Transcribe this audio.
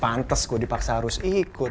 pantes gue dipaksa harus ikut